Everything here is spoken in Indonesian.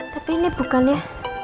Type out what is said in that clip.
tapi ini bukan ya